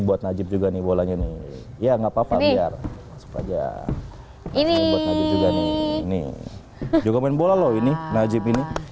buat najib juga nih bolanya nih ya nggak papa biar aja ini juga main bola loh ini najib ini